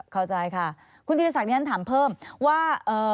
เข้าใจค่ะคุณธิรษักที่ฉันถามเพิ่มว่า